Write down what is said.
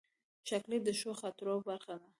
چاکلېټ د ښو خاطرو برخه ده.